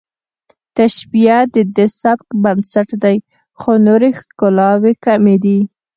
تشبیه د دې سبک بنسټ دی خو نورې ښکلاوې کمې دي